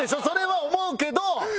それは思うけど。